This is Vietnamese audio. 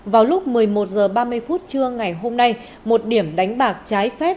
vào lúc một mươi một h ba mươi phút trưa ngày hôm nay một điểm đánh bạc trái phép